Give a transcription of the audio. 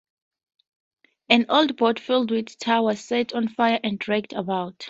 An old boat filled with tar was set on fire and dragged about.